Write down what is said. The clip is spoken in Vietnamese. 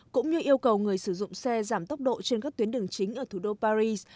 cũng như yêu cầu người sử dụng xe giảm tốc độ trên các tuyến đường chính ở thủ đô paris